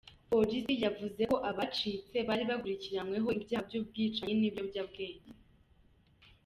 Polisi yavuze ko abacitse bari bakurikirayweho ibyaha by'ubwicanyi n'ibiyobwabwenge.